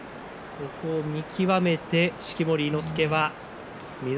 そこを見極めて式守伊之助は翠